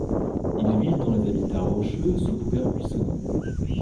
Il vit dans les habitats rocheux, sous couvert buissonnant.